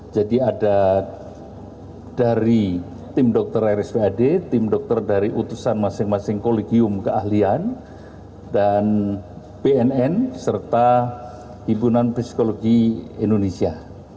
jadi ada dari tim dokter rspad tim dokter dari utusan masing masing kolegium keahlian dan bnn serta ibu non pesikologi indonesia